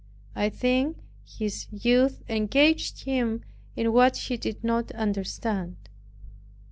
I think his youth engaged him in what he did not understand.